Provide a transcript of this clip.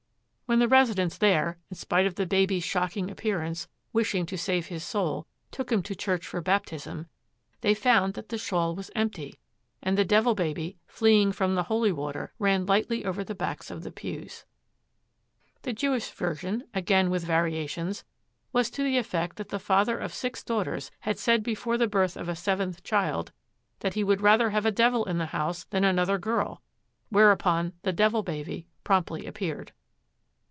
When the residents there, in spite of the baby's shocking appearance, wishing to save his soul, took him to church for baptism, they found that the shawl was empty, and the Devil Baby, fleeing from the holy water, ran lightly over the backs of the pews. The Jewish version, again with variations, was to the effect that the father of six daughters had said before the birth of a seventh child that he would rather have a devil in the house than another girl, whereupon the Devil Baby promptly appeared.